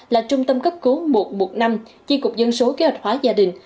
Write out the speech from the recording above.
là trung tâm cấp cứu một trăm một mươi năm chi cục dân số kế hoạch hóa gia đình